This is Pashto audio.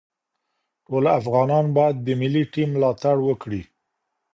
ټول افغانان باید د ملي ټیم ملاتړ وکړي.